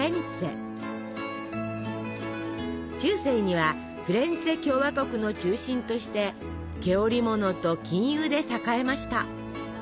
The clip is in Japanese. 中世にはフィレンツェ共和国の中心として毛織物と金融で栄えました。